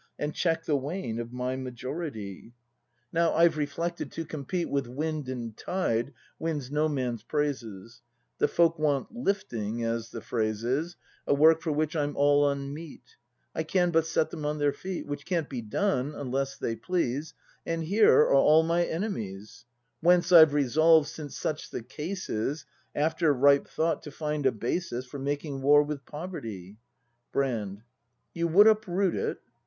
And check the wane of my majority. 172 BRAND [act iv Now, I've reflected, to compete With wind and tide wins no man's praises; The folk want "Hfting," as the phrase is, A work for which I'm all unmeet; I can but set them on their feet; Which can't be done unless they please, — And here all are my enemies! Whence I've resolved since such the case is. After ripe thought, to find a basis For making war with poverty Brand. You would uproot it